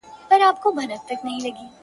شهيد زما دی، د وېرژلو شيون زما دی.!